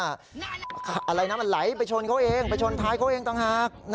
อะไรนะมันไหลไปชนเขาเองไปชนท้ายเขาเองต่างหาก